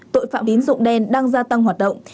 tội phạm tín dụng đen đang gia tăng hoạt động